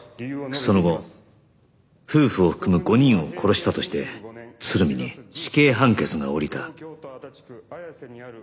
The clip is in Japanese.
その後夫婦を含む５人を殺したとして鶴見に死刑判決が下りた